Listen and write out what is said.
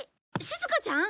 しずかちゃん